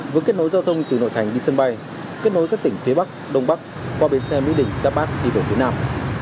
với kết nối giao thông từ nội thành đi sân bay kết nối các tỉnh phía bắc đông bắc qua biển xe mỹ đỉnh giáp bắc đi về phía nam